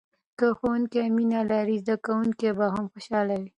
که ښوونکی مینه لري، زده کوونکی به هم خوشحاله وي.